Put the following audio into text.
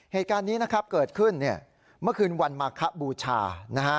เหตุการณ์นี้นะครับเกิดขึ้นเนี่ยเมื่อคืนวันมาคบูชานะฮะ